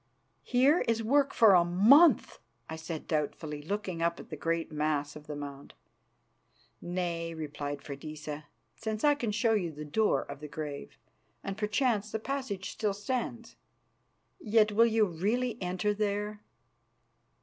"Here is work for a month," I said doubtfully, looking up at the great mass of the mound. "Nay," replied Freydisa, "since I can show you the door of the grave, and perchance the passage still stands. Yet, will you really enter there?"